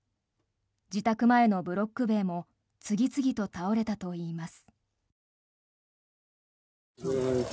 自宅前のブロック塀も次々と倒れたといいます。